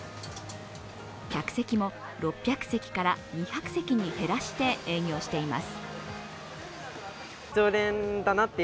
客席も６００席から２００席に減らして営業しています。